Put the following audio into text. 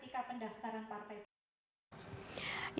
karena ketika pendaftaran partai